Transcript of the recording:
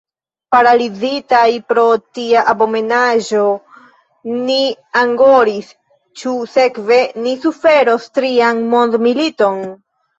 Paralizitaj pro tia abomenaĵo ni angoris: ĉu sekve ni suferos trian mondmiliton?